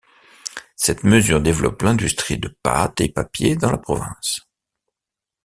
Cette mesure développe l'industrie de pâtes et papier dans la province.